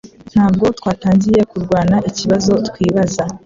Ntabwo twatangiye kurwana ikibazo twibaza